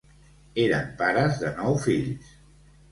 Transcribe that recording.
Eren pares de nou fills.